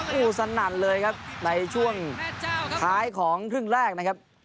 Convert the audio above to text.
โอ้โหสนั่นเลยครับในช่วงท้ายของครึ่งแรกนะครับ